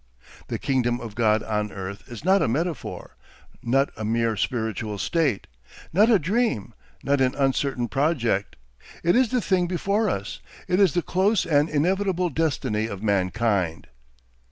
The kingdom of God on earth is not a metaphor, not a mere spiritual state, not a dream, not an uncertain project; it is the thing before us, it is the close and inevitable destiny of mankind.